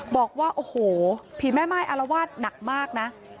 บอกว่าโอ้โหผีแม่ไม้อารวาสหนักมากนะ